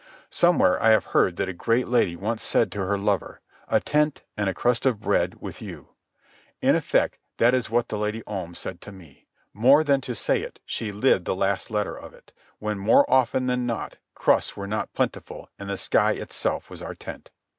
Somewhere I have heard that a great lady once said to her lover: "A tent and a crust of bread with you." In effect that is what the Lady Om said to me. More than to say it, she lived the last letter of it, when more often than not crusts were not plentiful and the sky itself was our tent.